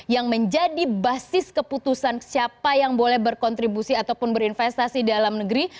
yang menjadi basis keputusan siapa yang boleh berkontribusi ataupun berinvestasi dalam negeri